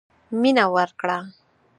مينه ورکړه.